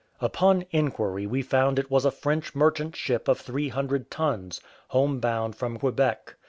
Upon inquiry we found it was a French merchant ship of three hundred tons, home bound from Quebec.